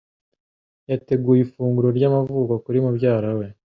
Yateguye ifunguro ryamavuko kuri mubyara we.